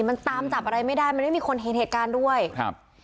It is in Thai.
มันตามจับอะไรไม่ได้มันไม่มีคนเห็นเหตุการณ์ด้วยครับ